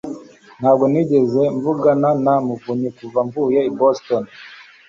Ntabwo nigeze mvugana na Muvunnyi kuva mvuye i Boston